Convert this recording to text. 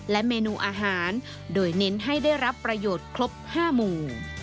เมนูอาหารโดยเน้นให้ได้รับประโยชน์ครบ๕หมู่